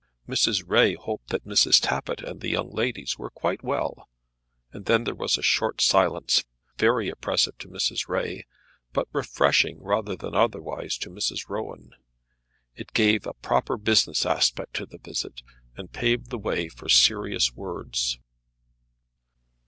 Mrs. Ray hoped that Mrs. Tappitt and the young ladies were quite well, and then there was a short silence, very oppressive to Mrs. Ray, but refreshing rather than otherwise to Mrs. Rowan. It gave a proper business aspect to the visit, and paved the way for serious words.